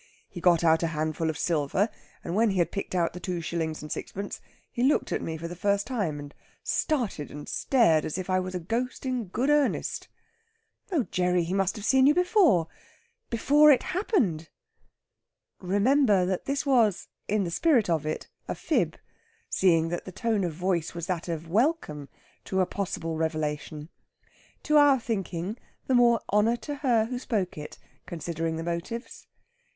He got out a handful of silver, and when he had picked out the two shillings and sixpence he looked at me for the first time, and started and stared as if I was a ghost in good earnest." "Oh, Gerry, he must have seen you before before it happened!" Remember that this was, in the spirit of it, a fib, seeing that the tone of voice was that of welcome to a possible revelation. To our thinking, the more honour to her who spoke it, considering the motives.